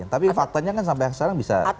tapi faktanya kan sampai sekarang bisa bersama sama